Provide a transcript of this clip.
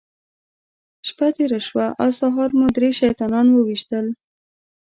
شپه تېره شوه او سهار مو درې شیطانان وويشتل.